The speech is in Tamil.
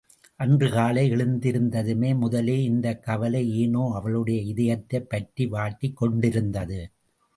அன்று காலை எழுந்திருந்தது முதலே இந்தக் கவலை ஏனோ அவளுடைய இதயத்தைப் பற்றி வாட்டிக் கொண்டிருந்தது.